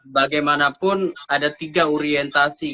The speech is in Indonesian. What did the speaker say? bagaimanapun ada tiga orientasi